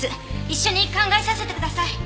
一緒に考えさせてください。